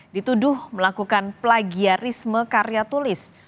dituduh melakukan plagiarisme karya tulis